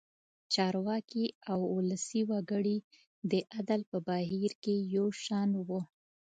چارواکي او ولسي وګړي د عدل په بهیر کې یو شان وو.